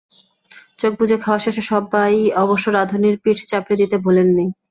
চোখ বুজে খাওয়া শেষে সবাই অবশ্য রাঁধুনির পিঠ চাপড়ে দিতে ভোলেননি।